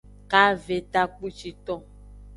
Kave takpuciton.